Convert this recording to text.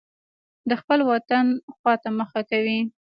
د خپل وطن خوا ته مخه کوي.